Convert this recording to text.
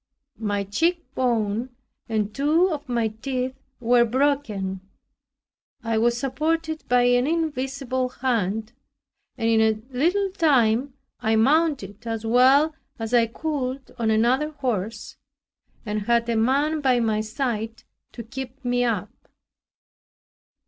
My cheekbone and two of my teeth were broken. I was supported by an invisible hand and in a little time I mounted as well as I could on another horse and had a man by my side to keep me up.